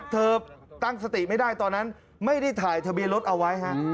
ตั้งสติไม่ได้ตอนนั้นไม่ได้ถ่ายทะเบียนรถเอาไว้ฮะ